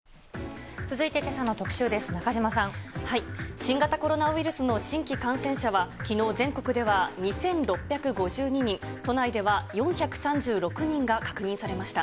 新型コロナウイルスの新規感染者はきのう、全国では２６５２人、都内では４３６人が確認されました。